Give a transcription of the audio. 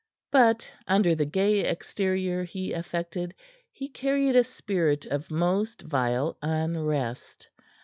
But under the gay exterior he affected he carried a spirit of most vile unrest.